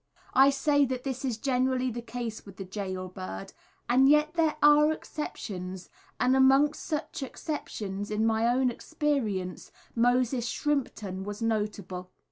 I say that this is generally the case with the gaol bird; and yet there are exceptions, and amongst such exceptions in my own experience, Moses Shrimpton was notable.